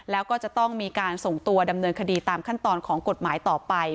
แล้วก็จะต้องมีการส่งตัวดำเนินคดีตามขั้นตอนของกฎหมายต่อไป